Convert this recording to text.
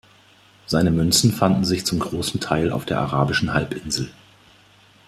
Seine Münzen fanden sich zum großen Teil auf der arabischen Halbinsel.